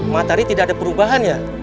matahari tidak ada perubahan ya